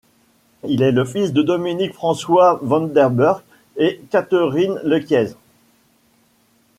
Il est le fils de Dominique-François Vanderburch et Catherine Lequiese.